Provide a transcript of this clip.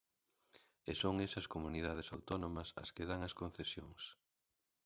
E son esas comunidades autónomas as que dan as concesións.